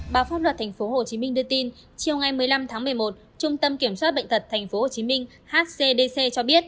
báo pháp luật tp hcm đưa tin chiều ngày một mươi năm tháng một mươi một trung tâm kiểm soát bệnh tật tp hcm hcdc cho biết